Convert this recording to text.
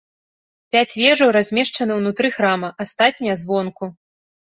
Пяць вежаў размешчаны ўнутры храма, астатнія звонку.